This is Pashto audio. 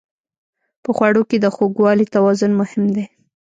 په خوړو کې د خوږوالي توازن مهم دی.